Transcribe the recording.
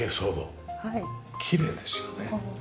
きれいですよね。